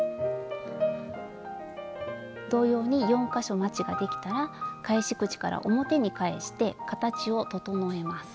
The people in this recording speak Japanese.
同様に４か所まちができたら返し口から表に返して形を整えます。